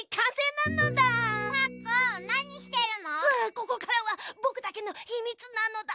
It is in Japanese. ここからはぼくだけのひみつなのだ！